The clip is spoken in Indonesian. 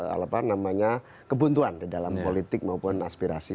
apa namanya kebuntuan di dalam politik maupun aspirasi